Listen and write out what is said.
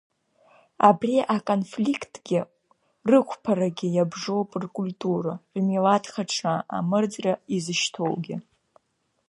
Абри аконфликтгьы, рықәԥарагьы иабжоуп ркультура, рмилаҭ хаҿра амырӡра изышьҭоугьы.